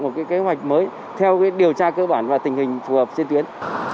một kế hoạch mới theo điều tra cơ bản và tình hình phù hợp trên tuyến